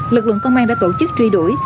lực lượng công an đã tổ chức truy đuổi